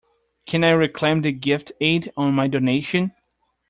Can I reclaim the gift aid on my donation?